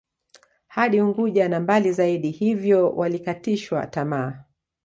Hadi Unguja na mbali zaidi hiyvo walikatishwa tamaa